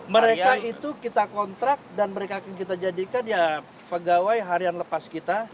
mereka itu kita kontrak dan mereka akan kita jadikan ya pegawai harian lepas kita